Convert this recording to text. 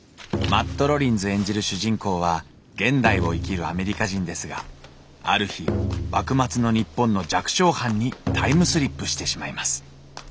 マット・ロリンズ演じる主人公は現代を生きるアメリカ人ですがある日幕末の日本の弱小藩にタイムスリップしてしまいます。